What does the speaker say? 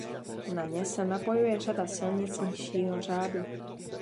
Na ně se napojuje řada silnic nižšího řádu.